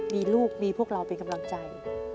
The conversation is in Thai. มีลูกมีพวกเราเป็นกำลังใจ